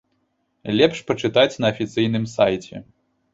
Лепш пачытаць на афіцыйным сайце.